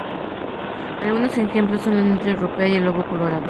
Algunos ejemplos son la nutria europea y el lobo colorado.